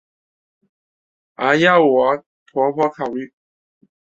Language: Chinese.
而要我的婆婆考虑！